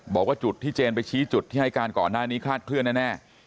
บอกว่าจุดที่เจนไปชี้จุดที่ให้การก่อนหน้านี้คลาดเคลื่อนแน่